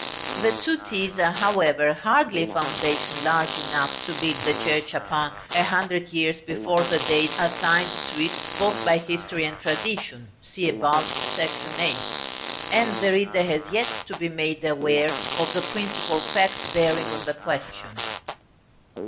The two T's are, however, hardly a foundation large enough to build the church upon, a hundred years before the date assigned to it both by history and tradition (see above, § VIII.): and the reader has yet to be made aware of the principal fact bearing on the question.